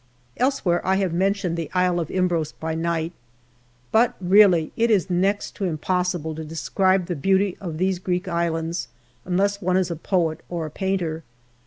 Elsewhere I have mentioned the Isle of Imbros by night. But really it is next to impossible to describe the beauty of these Greek islands, unless one is a poet or a painter.